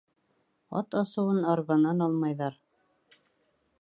Ат асыуын арбанан алмайҙар.